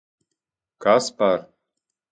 Kas par...